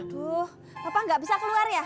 aduh papa gak bisa keluar ya